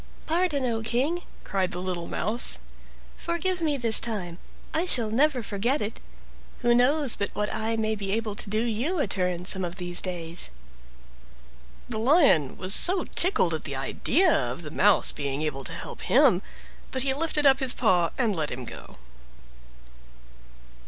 "Pardon, O King," cried the little Mouse; "forgive me this time, I shall never forget it: who knows but what I may be able to do you a turn some of these days?" The Lion was so tickled at the idea of the Mouse being able to help him, that he lifted up his paw and let him go.